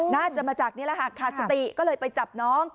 น่าจะมาจากนี่แหละค่ะขาดสติก็เลยไปจับน้อง